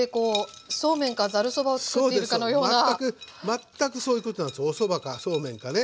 全くそういうことなんですおそばかそうめんかね。